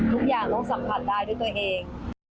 ทุกอย่างต้องสัมผัสได้ด้วยตัวเอง